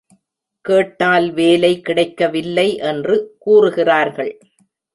கேட்டால் வேலை கிடைக்கவில்லை என்று கூறுகிறார்கள்.